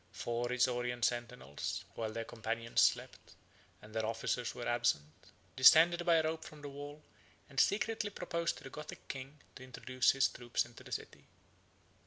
Four Isaurian sentinels, while their companions slept, and their officers were absent, descended by a rope from the wall, and secretly proposed to the Gothic king to introduce his troops into the city.